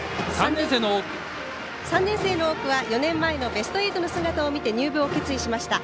３年生の多くは４年前のベスト８の姿を見て入部を決意しました。